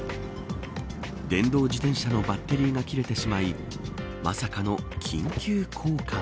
電動自転車のバッテリーが切れてしまいまさかの緊急交換。